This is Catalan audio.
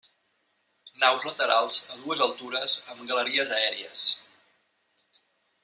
Naus laterals a dues altures amb galeries aèries.